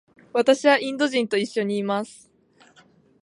私はインド人と一緒にいます。